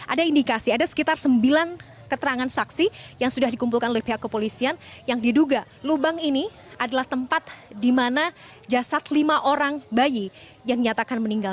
ada indikasi ada sekitar sembilan keterangan saksi yang sudah dikumpulkan oleh pihak kepolisian yang diduga lubang ini adalah tempat di mana jasad lima orang bayi yang dinyatakan meninggal